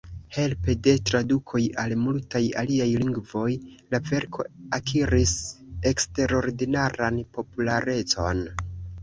Helpe de tradukoj al multaj aliaj lingvoj, la verko akiris eksterordinaran popularecon.